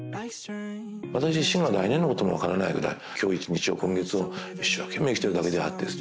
私自身が来年のことも分からないぐらい今日一日を今月を一生懸命生きてるだけであってですね